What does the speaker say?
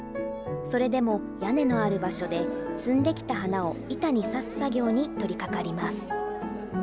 それでも屋根のある場所で、摘んできた花を板にさす作業に取りかかります。